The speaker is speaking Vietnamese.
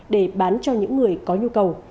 để bán cho những người có nhu cầu